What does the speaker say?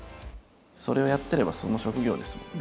それをやってればその職業ですもんね。